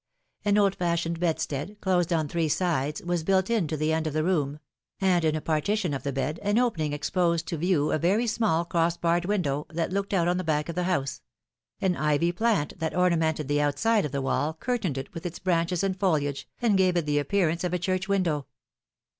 An old fashioned bedstead, closed on three sides, was built in to the end of the room ; and in a partition of the bed, an opening ex posed to view a very small crossbarred window, that looked out on the back of the house; an ivy plant that ornamented the outside of the wall curtained it with its branches and foliage, and gave it the appearance of a church window.